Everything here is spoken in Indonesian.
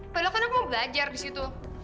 pada kan aku mau belajar disitu